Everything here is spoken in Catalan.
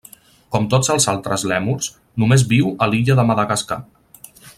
Com tots els altres lèmurs, només viu a l'illa de Madagascar.